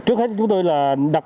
trước hết chúng tôi là đặc biệt